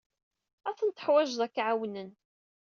Ad ten-teḥwijed ad k-ɛawnen.